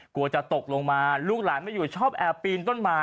กลัวจะตกลงมาลูกหลานไม่อยู่ชอบแอบปีนต้นไม้